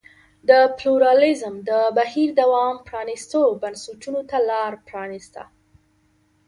د پلورالېزم د بهیر دوام پرانیستو بنسټونو ته لار پرانېسته.